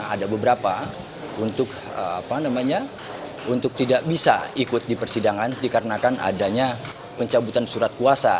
ada beberapa untuk tidak bisa ikut di persidangan dikarenakan adanya pencabutan surat kuasa